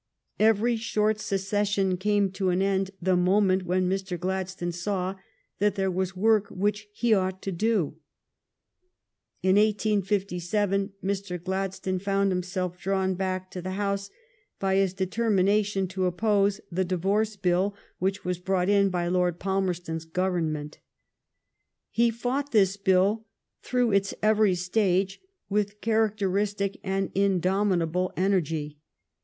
Each short se cession came to an end the moment when Mr. Gladstone saw that there was work which he ought to do. In 1857 Mr. Gladstone found him self drawn back to the House by his determina tion to oppose the Divorce Bill which was brought in by Lord Palmerston s Government. He fought this bill through its every stage with characteris tic and indomitable energy.